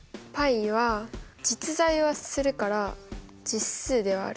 ππは実在はするから実数ではある。